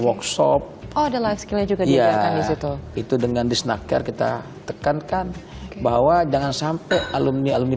workshop adalah skill juga ya itu dengan di snakker kita tekankan bahwa jangan sampai alumni alumni